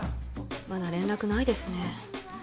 まだ連絡ないですね